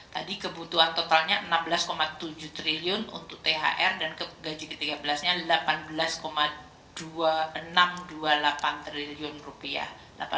tadi kebutuhan totalnya enam belas tujuh triliun untuk thr dan gaji ke tiga belas nya delapan belas dua puluh enam dua puluh delapan triliun rupiah